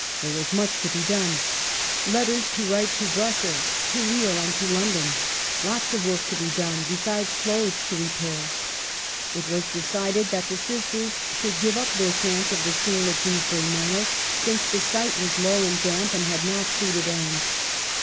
There '. was much to be done. " Letters to write to Brussels, to Lille, and to London, lots of work to be done, besides clothes to repair." It was de cided that the sisters should give up their chance of the school at Dewsbury Moor, since the site was low and damp, and had not suited Anne.